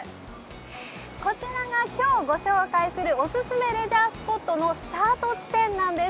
こちらが今日ご紹介するおすすめレジャースポットのスタート地点なんです。